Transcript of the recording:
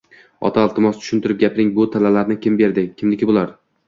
– Ota, iltimos, tushuntirib gapiring… Bu tillalarni kim berdi? Kimniki bular?